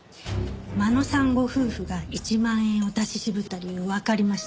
真野さんご夫婦が１万円を出し渋った理由わかりました。